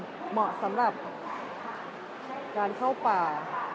มีอุปกรณ์เหมาะสำหรับการเข้าป่า